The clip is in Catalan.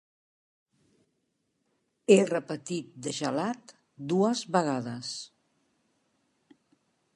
He repetit de gelat dues vegades.